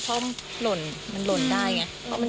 จะหล่นได้ไง